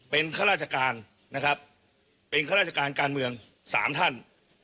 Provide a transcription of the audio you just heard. เป็นครราชการการเมือง๓ท่าน